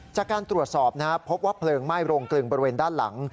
จากการตรวจสอบนะครับพบว่าเพลิงไหม้โรงกลึงบริเวณด้านหลัง